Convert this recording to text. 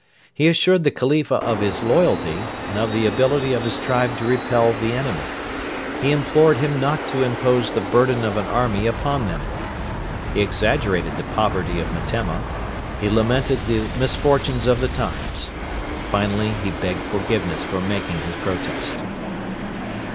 He assured the Khalifa of his loyalty, and of the ability of his tribe to repel the enemy. He implored him not to impose the burden of an army upon them. He exaggerated the poverty of Metemma; he lamented the misfortunes of the times. Finally he begged forgiveness for making his protest.